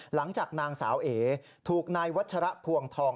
หลังจากนางสาวเอถูกนายวัชระพวงทอง